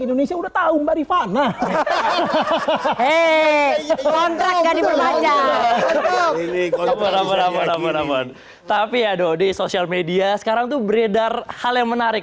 indonesia udah tahu dari fana kontrak tapi ada di sosial media sekarang tuh beredar hal yang menarik